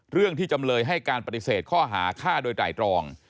เรื่องที่จำเลยให้การปฏิเสธข้อหาฆ่าโดยไตรรอง